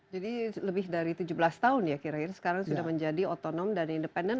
jadi lebih dari tujuh belas tahun ya kira kira sekarang sudah menjadi otonom dan independen